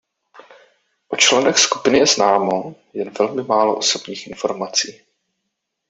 O členech skupiny je známo jen velmi málo osobních informací.